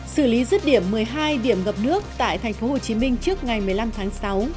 xử lý rứt điểm một mươi hai điểm ngập nước tại tp hcm trước ngày một mươi năm tháng sáu